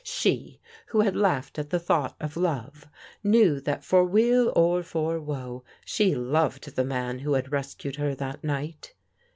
She, who had laughed at the thought of love, knew that for weal or for woe, she loved the man who had rescued her that night.